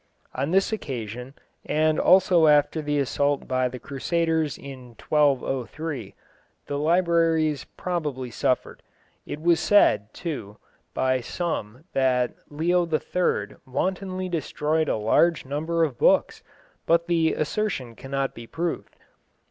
On this occasion, and also after the assault by the Crusaders in 1203, the libraries probably suffered. It is said, too, by some that Leo III. wantonly destroyed a large number of books, but the assertion cannot be proved.